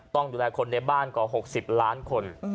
ต้องดูแลคนในบ้านกว่า๖๐ล้านคน